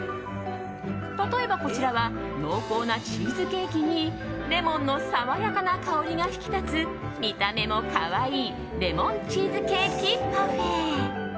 例えばこちらは濃厚なチーズケーキにレモンの爽やかな香りが引き立つ見た目も可愛いレモンチーズケーキパフェ。